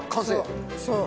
そう。